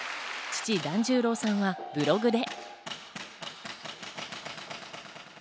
父・團十郎さんはブログで。